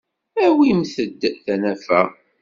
Awimt-d tanafa.